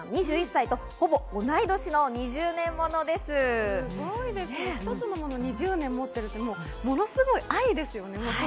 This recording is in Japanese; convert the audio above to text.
２１歳とほぼ同い年の２０年ものすごいです、１つのもの、２０年持ってるって、もう、ものすごい愛ですよね。